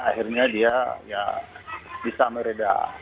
akhirnya dia ya bisa meredah